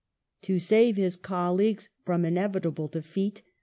To save his colleagues from inevitable defeat.